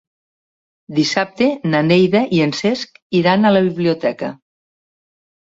Dissabte na Neida i en Cesc iran a la biblioteca.